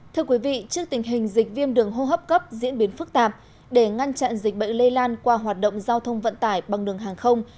thưa quý vị trước tình hình dịch viêm đường hô hấp cấp diễn biến phức tạp để ngăn chặn dịch bệnh lây lan qua hoạt động giao thông vận tải bằng đường hàng không